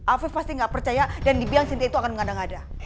afif pasti gak percaya dan dibilang sintia itu akan mengadang adang